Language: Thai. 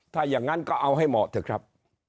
ถ้าอย่างนั้นก็เอาให้เหมาะเถอะครับ